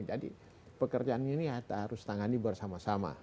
jadi pekerjaan ini harus ditangani bersama sama